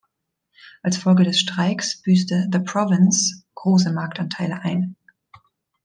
Als Folge des Streiks büßte The Province große Marktanteile ein.